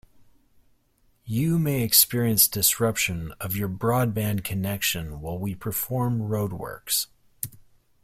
You may experience disruption of your broadband connection while we perform road works.